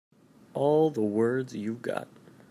All the words you've got.